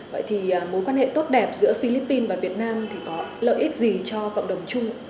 vậy thì mối quan hệ tốt đẹp giữa philippines và việt nam thì có lợi ích gì cho cộng đồng chung